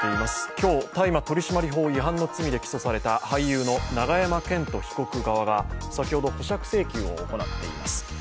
今日、大麻取締法違反の罪で起訴された俳優の永山絢斗被告側が先ほど、保釈請求を行っています。